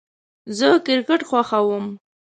زه کرکټ خوښوم